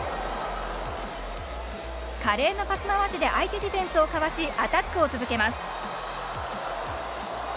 華麗なパス回しで相手ディフェンスをかわしアタックを続けます。